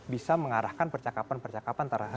bisa mengarahkan percakapan percakapan